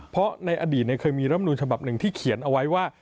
เพราะในอดีตเคยมีรำนูลฉบับหนึ่งที่เขียนเอาไว้ว่า